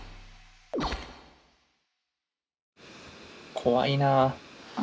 怖いなあ。